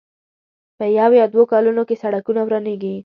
په يو يا دوو کلونو کې سړکونه ورانېږي.